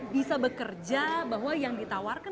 bisa bekerja bahwa yang ditawarkan